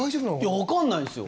分からないんですよ！